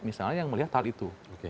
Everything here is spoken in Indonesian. misalnya yang melihat hal itu